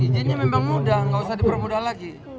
izinnya memang mudah nggak usah dipermudah lagi